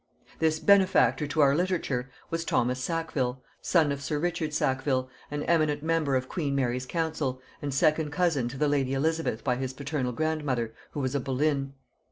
This benefactor to our literature was Thomas Sackville, son of sir Richard Sackville, an eminent member of queen Mary's council, and second cousin to the lady Elizabeth by his paternal grandmother, who was a Boleyn.